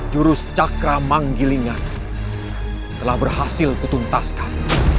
jurus cakra manggilingan telah berhasil kutuntaskan